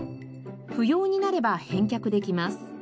不要になれば返却できます。